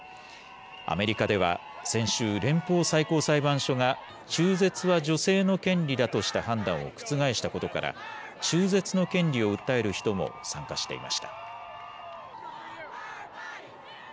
アメリカでは先週、連邦最高裁判所が中絶は女性の権利だとした判断を覆したことから、中絶の権利を訴える人も参加していました。